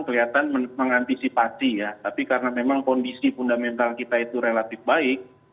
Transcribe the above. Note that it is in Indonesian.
kelihatan mengantisipasi ya tapi karena memang kondisi fundamental kita itu relatif baik